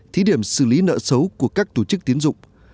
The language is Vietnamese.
thí điểm xử lý nợ xấu của các tổ chức tiến dụng